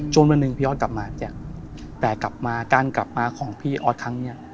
วันหนึ่งพี่ออสกลับมาพี่แจ๊คแต่กลับมาการกลับมาของพี่ออสครั้งนี้